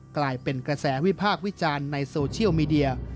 กลายเป็นกระแสวิพากษ์วิจารณ์ในโซเชียลมีเดีย